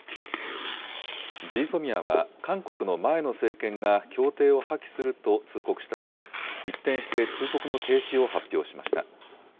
ＧＳＯＭＩＡは韓国の前の政権が協定を破棄すると通告したあと、一転して通告の停止を発表しました。